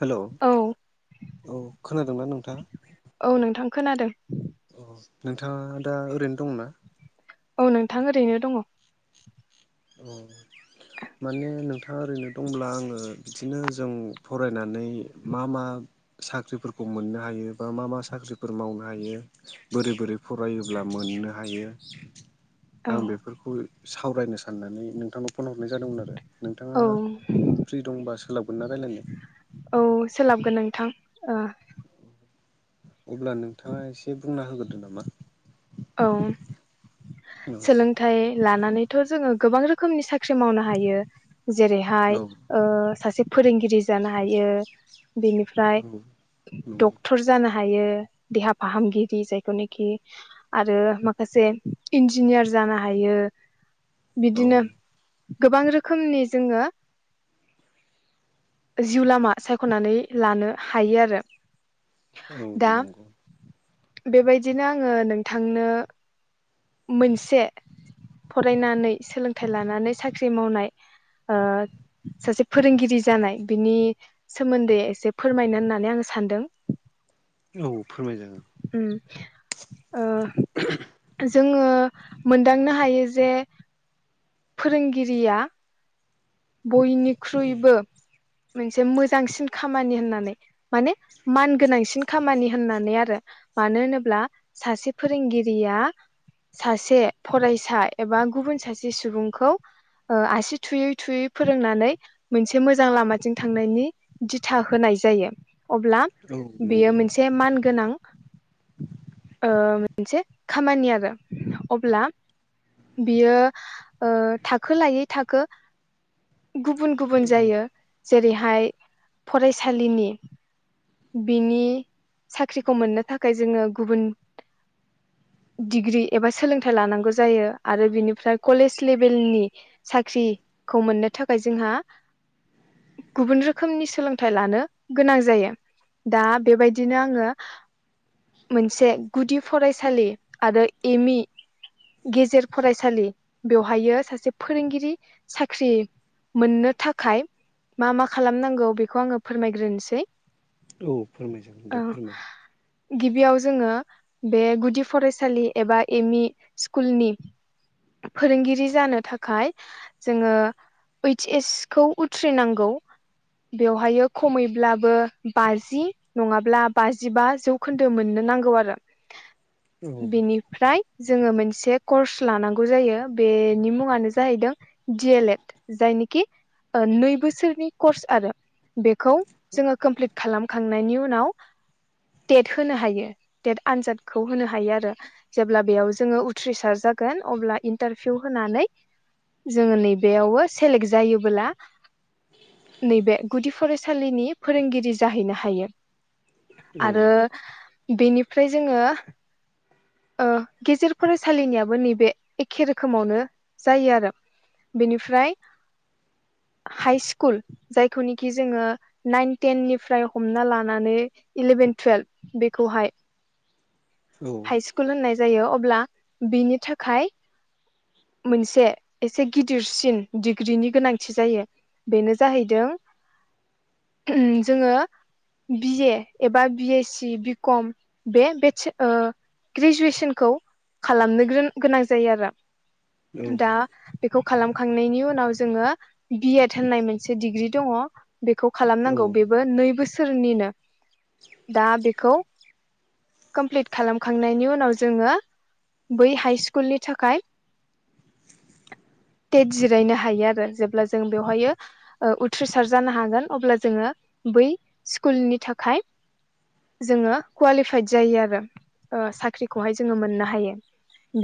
Hello औ औ खोनादोंना नोंथां औ नोंथां खोनादों नोंथाङा दा ओरैनो दं ना औ नोंथां ओरैनो दङ औ माने नोंथाङा ओरैनो दंब्ला आङो बिदिनो जों फरायनानै मा मा साख्रिफोरखौ मोननो हायो बा मा मा साख्रिफोर मावनो हायो बोरै बोरै फरायोब्ला मोननो हायो औ आं बेफोरखौ सावरायनो सान साननानै नोंथांनाव फन हरनाय जादोंमोन आरो नोंथाङा औ फ्रि दंबा सोलाबगोन ना रायलायनो औ सोलाबगोन नोंथां ओ अब्ला नोंथाङा एसे बुंना होग्रोदो नामा औ सोलोंथाइ लानानैथ जोङो गोबां रोखोमनि साख्रि मावनो हायो औ जेरैहाय ओ सासे फोरोंगिरि जानो हायो औ बेनिफ्राय नंगौ डक्टर जानाय हायो देहा फाहामगिरि जायखौनोखि आरो माखासे इन्जिनियार जानो हायो औ बिदिनो गोबां रोखोमनि जोङो जिउ लामा सायखनानै लानो हायो आरो औ दा नंगौ बेबायदिनो आङो नों थांनो मोनसे फरायनानै सोलोंथाइ लानानै साख्रि मावनाय ओ सासे फोरोंगिरि जानाय बिनि सोमोन्दै एसे फोरमायनो होननानै आङो सानदों औ फोरमायजागोन [inaudible] [inaudible] जोङो मोनदांनो हायो जे फोरोंगिरिया। बयनिख्रुइबो। मोनसे मोजांसिन खामानि होननानै माने मान गोनांसिन खामानि होननानै आरो मानो होनोब्ला सासे फोरोंगिरिया सासे फरायसा एबा गुबुन सासे सुबुंखौ आसि थुयै थुयै। फोरोंनानै मोनसे मोजां लामथिं थांनायनि दिथा होनाय जायो। अब्ला औ नंगौ बेयो मोनसे मान गोनां। ओं। मोनसे खामानि आरो अब्ला बियो थाखो लायै थाखो। गुबुन गुबुन औ जायो। जेरैहाय फरायसालिनि बिनि साख्रिखौ मोननो थाखाय जोङो गुबुन डिग्रि एबा सोलोंथाइ लानांगौ जायो आरो बिनिफ्राय कलेज लेभेलनि साख्रिखौ मोननो। थाखाय जोंहा गुबुन रोखोमनि सोलोंथाइ लानो गोनां जायो दा बेबायदिनो आङो मोनसे गुदि फरायसालि आरो एम मि गेजेर फरायसालि बेवहाय सासे फोरोंगिरि साख्रि। मोननो थाखाय मा मा खालामनांगौ बेखौ आङो फोरमायग्रोनोसै। औ फोरमायजागोन दे औ फोरमाय गिबियाव जोङो। बे गुदि फरायसालि एबा एम मि स्कुलनि फोरोंगिरि जानो थाखाय जोङो। ओइच एस खौ उथ्रिनांगौ बेवहाय खमैब्लाबो बाजि नङाब्ला बाजिबा जौखोन्दो मोननो नांगौ आरो। औ बेनिफ्राय। जोङो मोनसे कर्स लानांगौ जायो बेनि मुङानो जाहैदों दिलेड। जायनिखि नै बोसोरनि कर्स आरो बेखौ जोङो कमप्लिट खालामखांनायनि उनाव टेट होनो हायो टेट आनजादखौ होनो हायो आरो जेब्ला बेयाव जोङो उथ्रिसार जागोन अब्ला इन्टारभिउ होनानै जोङो नैबेयावबो। सेलेक्ट जायोबोब्ला नैबे गुदि फरायसालिनि फोरोंगिरि जाहैनो हायो। औ आरो। बेनिफ्राय जोङो। गेजेर फरायसालिनियाबो नैबे एखे रोखोमावनो जायो आरो बेनिफ्राय हाइ स्कुल जायखौनोखि जोङो नाइन टेननिफ्राय हमना लानानै इलेभेन टुवेल्भ बेखौहाय। औ हाइ स्कुल होननाय जायो अब्ला। बेनि थाखाय मोनसे एसे गिदिरसिन डिग्रिनि गोनांथि जायो बेनो जाहैदों जोङो बिए एबा बि एस सि बिकम बे बेटस ओ- ग्रेजुवेसनखौ खालामनो गोनां जायो आरो। दा बे। खौ खालामखांनायनि उनाव जोङो बिएद होननाय मोनसे डिग्रि दङ। बेखौ खालामनांगौ बेबो नै बोस सोरनिनो। दा बेखौ। कमप्लिट खालाम। खांनायनि उनाव जोङो बै हाइ स्कुलनि थाखाय टेट जिरायनो हायो आरो जेब्ला जों बेवहाय ओ- उथ्रिसार जानो हागोन अब्ला जोङो बै स्कुलनि थाखाय जोङो कुवालिफाइद जायो आरो। ओ-साख्रिखौहाय जोङो मोननो हायो।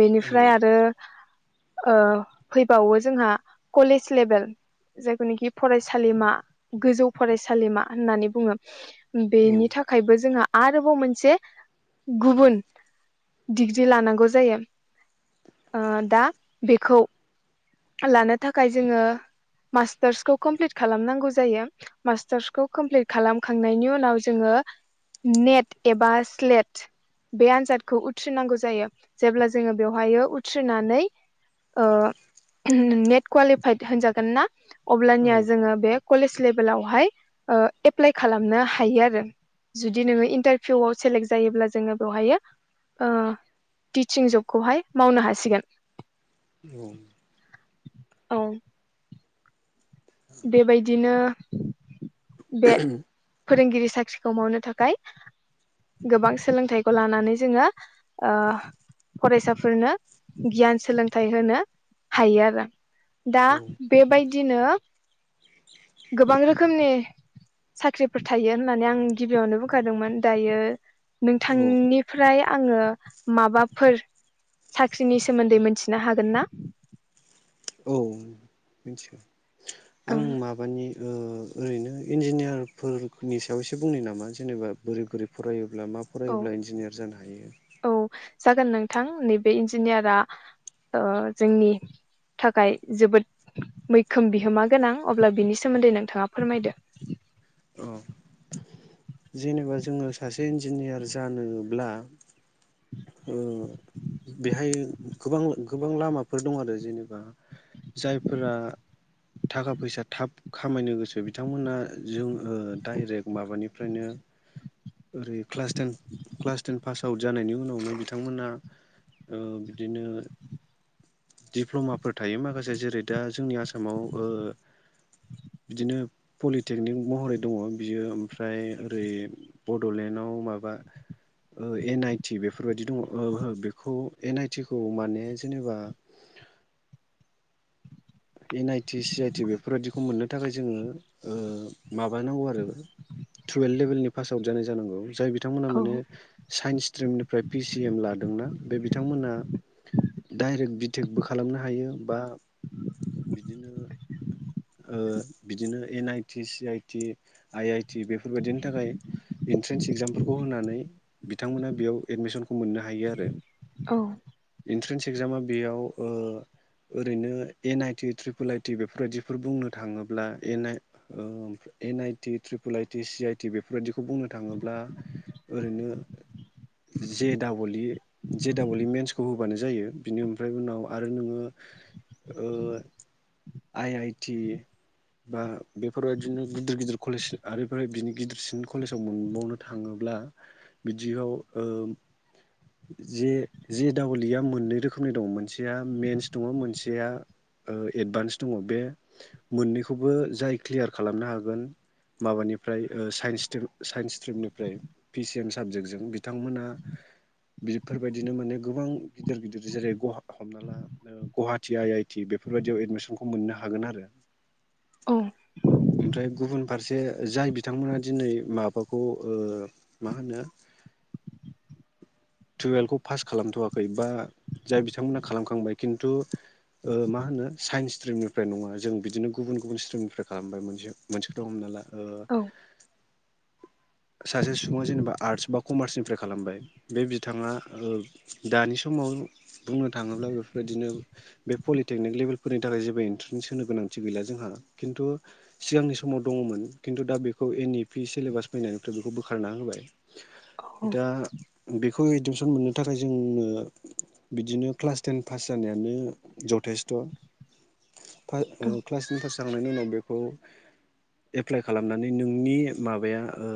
बेनिफ्राय आरो। ओ-फैबावो जोंहा कलेज लेभेल जायखौनिखि फरायसालिमा गोजौ फरायसालिमा होननानै बुङो। बेनि थाखायबो जोंहा। आरोबाव मोनसे गुबुन डिग्रि लानांगौ जायो ओ- दा बेखौ लानो थाखाय जोङो मास्टार्सखौ कमप्लिट खालामनांगौ जायो मास्टार्सखौ कमप्लिट खालामखांनायनि उनाव जोङो नेट एबा स्लेट। बे आनजादखौ उथ्रिनांगौ जायो जेब्ला जोङो बेवहायो उथ्रिनानै ओ- नेट कवालिफाइद होनजागोन ना, अब्लानिया जोङो बे कलेज लेभेलावहाय - एप्लाइ खालामनो हायो आरो जुदि नोङो इन्टारभिउआव सेलेक्ट जायोब्ला। जोङो बेवहायो ओ- टिचिं जबखौहाय मावनो हासिगोन। औ औ बेबायदिनो बे फोरोंगिरि साख्रिखौ मावनो थाखाय गोबां सोलोंथाइखौ लानानै जोङो ओ- फरायसाफोरनो गियान सोलोंथाइ होनो हायो आरो। दा औ बेबायद दिनो गोबां रोखोमनि साख्रिफोर थायो होननानै आं गिबियावनो बुंखादोंमोन दायो। नोंथांनि फ्राय आङो माबाफोर साख्रिनि सोमोन्दै मिथिनो हागोन ना? औ मिथिगौ आं ओं माबानि ओ-ओरैनो इन्जिनियारफोरनि सायाव एसे बुंनि नामा जेनेबा बोरै बोरै फरायो। ब्ला मा औ फरायोब्ला इन्जिनियार जानो हायो। औ जागोन नोंथां नैबे इन्जिनियारा ओ-जोंनि थाखाय जोबोद मैखोम बिहोमा गोनां अब्ला बिनि सोमोन्दै नोंथाङा फोरमायदो। औ जेनेबा जोङो सासे इन्जिनियार जानोब्ला ओ- बेहाय गोबां गोबां लामाफोर दं आरो जेनेबा जायफोरा थाखा फैसा थाब खामायनो गोसो बिथांमोना जों ओ- डाइरेक्ट माबानिफ्रायनो ओरै- class ten class ten pass out जानायनि उनाव मोनो बिथांमोना ओ बिदिनो दिप्ल माफोर थायो माखासे जेरै दा जोंनि आसामाव ओ बिदिनो पलिटेकनिक महरै दङ बियो ओमफ्राय ओरै बडलेण्डआव माबा ओ एन आइ टि बे फोरबायदि दङ ओ बेखौ एन आइ टि खौ माने जेनेबा एनआइटि सि आइ टि बेफोरबायदिखौ मोननो थाखाय जोङो ओ माबानांगौ आरो टुवेल्भ लेभेलनि पास आउट जानांगौ जाय बि बिथांमोनहा औ माने साइन्स स्ट्रिमनिफ्राय पि सि एम लादोंना बे बिथांमोना डाइरेक्ट बिटेकबो खालामनो हायो बा बिदिनो ओ बिदिनो N I T C I T I I T बेफोरबायदिनि थाखाय इन्ट्रेन्स एगजामफोरखौ होनानै बिथांमोना बेयाव एडमिसनखौ मोननो हायो आरो औ इन्ट्रेन्स एकजामा बेयाव ओ ओरैनो एन आइटि ट्रिपोल आइटि बेफोरबायदि बेफोर बुंनो थाङोब्ला एन आइ ओ N I T triple IT C IT बेफोरबायाददिखौ बुंनो थाङोब्ला ओरैनो जे डाब इ जे डाबल इ मेन्सखौ होबानो जायो बिनि फ्राय उनाव आरो नोङो आइ आइ टि बा बेफोरबायदिनो गिदिर गिदिर कलेज आरोफ्राय बिनि गिदिरसिन कलेजाव मोनबावनो थाङोब्ला बिदियाव ओ जे जे दाबल इ या मोननै रोखोमनि दङ मोनसेया मेन्स दङ मोनसेया एडभान्स दङ बे मोननैखौबो जाय क्लियार खालामनो हागोन माबानिफ्राय ओ साइन्स सिटि साइन्स स्ट्रिमनिफ्राय पिसि एम साबजेक्टजों बिथांमोना बेफोरबायदिनो माने गोबां गिदिर गिदिर जेरै गु हमना ला गुवाहाटी आइ आइ टि बेफोरबायदियाव एडमिसनखौ मोननो हा हागोन आरो औ ओमफ्राय गुबुन फारसे जाय बिथांमोना दिनै माबाखौ ओ मा होनो टुयेल्भखौ पास खालामथवाखै बा जाय बिथांमोना खालामखांबाय खिन्थु ओ मा होनो साइन्स स्ट्रिमनि फ्राय नङा जों बिदिनो गुबुन गुबुन स्ट्रिमनिफ्राय खालामबाय मोनसे मोनसेखौथ हमनो हाला। औ। सासे सुबुङा जेनेबा आरटस बा कमारसनिफ्राय खालामबाय बे बिथाङा ओ दानि समाव बुंनो थाङोब्ला बेफोरबायदिनो बे पलिटेकनिक लेभेलफोरनि थाखाय जेबो इन्ट्रे न्स होनो गोनांथि गैला जोंहा खिन्थु सिगांनि समाव दङमोन खिन्थु दा बेखौ एन इ पि सिलेबास फैनायनिफ्राय बेखौ बोखारना होबाय। औ दा बे खौ एडमिसन मोननो थाखाय जोंनो बिदिनो क्लास टेन पास जानायानो जथेस्थ। फाइभ औ ओ क्लासनि फास जाखांनायनि उनाव बेखौ एप्लाइ खालामनानै नोंनि माबाया ओ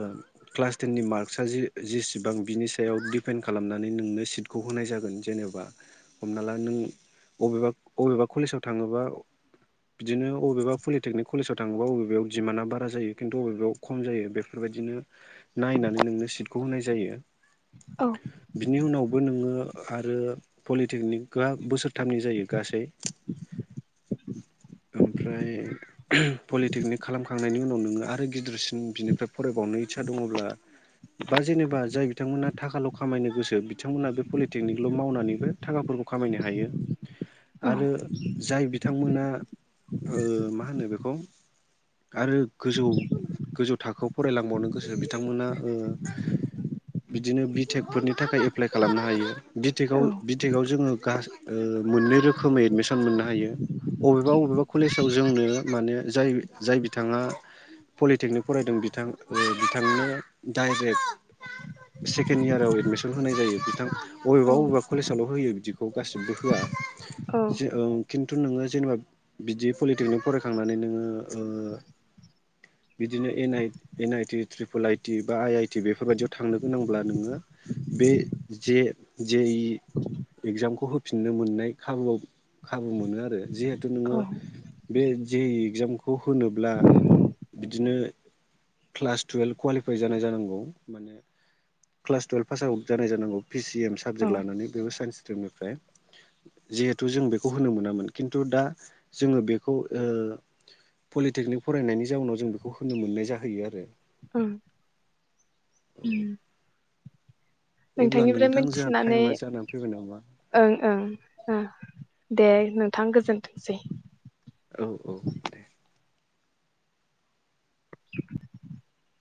क्लास टेननि मार्कसआ जि-जेसेबां बिनि सायाव डिपेन्ड खालामनानै नोंनो सिटखौ होनाय जागोन जेनेबा हमना ला नों अबेबा अबेबा कलेजाव थाङोबा बिदिनो अबेबा पलिटेकनिक कलेजाव थाङोबा अबेबायाव दिडिमान्डआ बारा जायो खिन्थु अबेबायाव खम जायो बेफोरबायदिनो नायनानै नोंनो सिटखौ होनाय जायो। औ बिनि उनावबो नोङो आरो पलिटेकनिकआ बोसोरथामनि जायो गासै ओमफ्राय पलिटेकनिक खालामखांनायनि उनाव नोङो आरो गिदिरसिन बिनिफ्राय फरायबावनो इस्सा दङब्ला बा जेनेबा जाय बिथांमोनहा थाखाल खामायनो गोसो बिथांमोना बे पलिटेकनिकल मावनानैबो थाखाफोरखौ खामायनो हायो। औ आरो जाय बि ओ मा होनो बेखौ आरो गोजौ गोजौ थाखोआव फरायलांबावनो गोसो बिथांमोना ओ बिदिनो बिटेक फोरनि थाखाय एप्लाइ खालामनो हायो बिटेकाव बिटेकाव जोङो गा ओ मोननै रोखोमै एडमिसन मोननो हायो। अबेबा अबेबा कलेजाव जोंनो माने जाय जाय बिथाङा पलिटेकनिक फरायदों बिथां ओ बिथांनो डाइरेक्ट सेकेण्ड इयाराव एडमिसन होनाय जायो बिथां अबेबा औ अबेबा कलेजावल होयो बिदिखौ गासिबबो होआ। जो ओं खिन थु नोङो जेनेबा बिदि पलिटेकनिक फरायखांनानै नोङो ओ बिदिनो N I N I T triple I T बा आइ आइटि बेफोर बायदियाव थांनो गोनांब्ला नोङो बे जे जे इ एगजामखौ होफिननो मोननाय खाबुुआव खा बु मोनो आरो जिहे तु नोङो औ बे जे इगजामखौ होनोब्ला बिदिनो क्लास टुयेल्भ कुवालिफाइ जानाय जानांगौ माने क्लास टुयेल्भ पास आउट जानाय जानांगौ। पिसि एम औ साबजेक्ट लानानै बेबो साइन्स ट्रिम निफ्राय जिहेथु जों बे खौ होनो मोनामोन खिन्थु दा जोङो बेखौ ओ पलिटेकनिक फरायनायनि जाउनाव जों बे खौ होनो मोननाय जाहैयो आरो ओं औ। नोंथांनिफ्राय मोनथिनानै टाइमा जानानै फैबाय नामा ओं ओं ओ दे। नोंथां गोजोनथोंसै। औ औ दे। [inaudible]